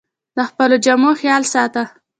د خپلو جامو خیال ساته